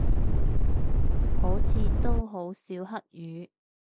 好似都好少黑雨